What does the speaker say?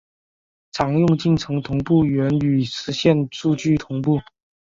常用进程同步原语实现数据同步。